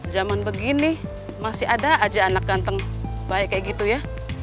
zaman begini masih ada aja anak ganteng baik kayak gitu ya